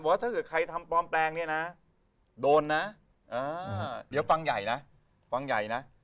ถ้าเกิดใครทำปลอมแปลงเนี่ยนะโดนนะเดี๋ยวฟังใหญ่นะฟังใหญ่นะ